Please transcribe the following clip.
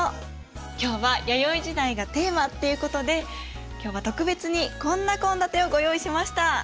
今日は弥生時代がテーマっていうことで今日は特別にこんな献立をご用意しました。